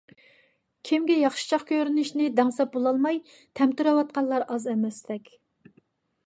كىمگە ياخشىچاق كۆرۈنۈشنى دەڭسەپ بولالماي تەمتىرەۋاتقانلار ئاز ئەمەستەك.